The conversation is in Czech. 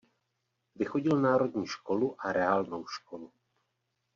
Vychodil národní školu a reálnou školu.